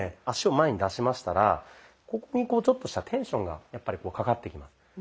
足を前に出しましたらここにちょっとしたテンションがかかってきます。